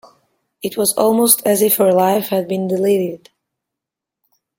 It was almost as if her life had been deleted.